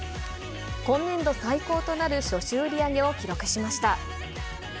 今年度最高となる初週売り上げを記録しました。